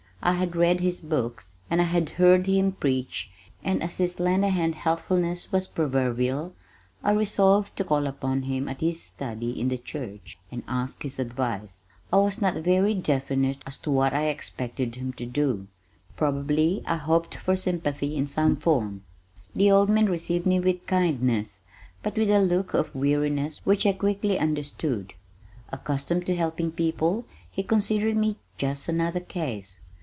I had read his books, and I had heard him preach and as his "Lend a hand" helpfulness was proverbial, I resolved to call upon him at his study in the church, and ask his advice. I was not very definite as to what I expected him to do, probably I hoped for sympathy in some form. The old man received me with kindness, but with a look of weariness which I quickly understood. Accustomed to helping people he considered me just another "Case."